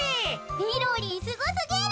みろりんすごすぎる。